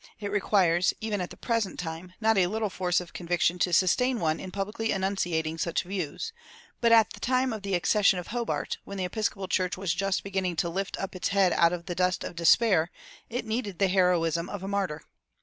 It requires, even at the present time, not a little force of conviction to sustain one in publicly enunciating such views; but at the time of the accession of Hobart, when the Episcopal Church was just beginning to lift up its head out of the dust of despair, it needed the heroism of a martyr.